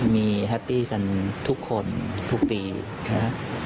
มีแฮปปี้กันทุกคนทุกปีนะครับ